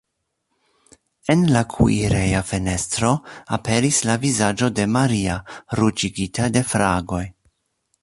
En la kuireja fenestro aperis la vizaĝo de Maria, ruĝigita de fragoj.